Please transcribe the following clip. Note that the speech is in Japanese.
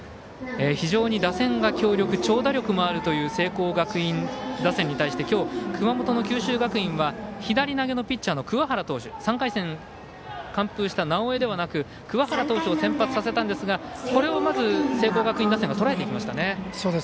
非常に打線が強力長打力もあるという聖光学院打線に対して今日、熊本の九州学院は左投げのピッチャーの桑原投手３回戦、完封した直江ではなく桑原投手を先発させたんですがこれをまず聖光学院打線はとらえていきましたね。